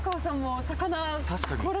確かに。